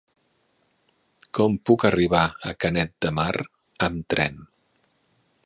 Com puc arribar a Canet de Mar amb tren?